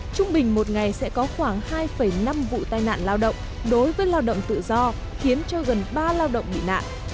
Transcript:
trung bình một ngày sẽ có khoảng hai năm vụ tai nạn lao động đối với lao động tự do khiến cho gần ba lao động bị nạn